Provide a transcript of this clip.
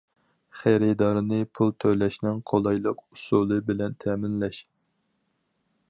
خېرىدارنى پۇل تۆلەشنىڭ قولايلىق ئۇسۇلى بىلەن تەمىنلەش.